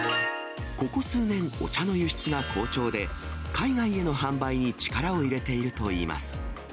ここ数年、お茶の輸出が好調で、海外への販売に力を入れているといいます。